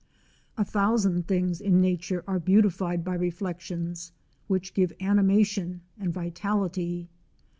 A thousand things in Nature are beautified by reflections, which give animation and vitality.